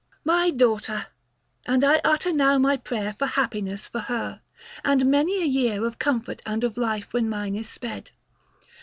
My daughter ! and I utter now my prayer 260 For happiness for her, and many a year Of comfort and of life when mine is sped.